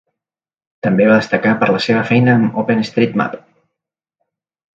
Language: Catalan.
També va destacar per la seva feina amb OpenStreetMap.